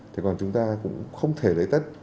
thế còn chúng ta cũng không thể lấy tất